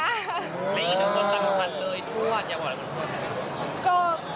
นี่คือสำคัญเลยทวดอยากบอกว่าคุณพ่อคุณแม่